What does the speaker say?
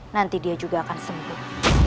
nanti dia juga akan sembuh